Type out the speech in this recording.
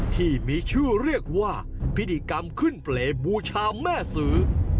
ที่มีชื่อเรียกว่าพิธีกรรมขึ้นเปรย์บูชาแม่สือ